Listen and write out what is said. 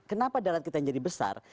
kenapa darat kita jadi besar